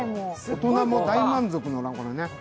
大人も大満足だね。